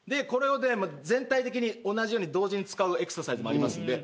これを全体的に同じように同時に使うエクササイズがあります。